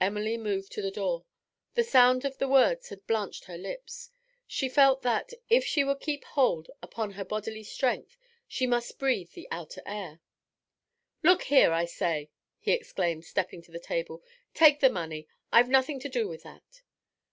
Emily moved to the door. The sound of the words had blanched her lips. She felt that, if she would keep hold upon her bodily strength, she must breathe the outer air. 'Look here, I say,' he exclaimed, stepping to the table. 'Take the money. I've nothing to do with that.'